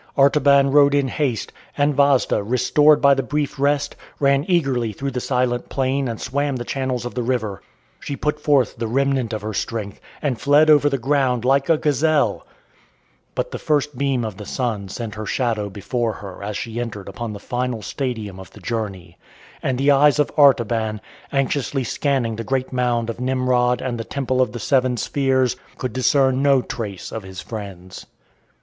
Artaban rode in haste, and Vasda, restored by the brief rest, ran eagerly through the silent plain and swam the channels of the river. She put forth the remnant of her strength, and fled over the ground like a gazelle. [Illustration: "HE CAUGHT IT UP AND READ"] But the first beam of the sun sent her shadow before her as she entered upon the final stadium of the journey, and the eyes of Artaban anxiously scanning the great mound of Nimrod and the Temple of the Seven Spheres, could discern no trace of his friends.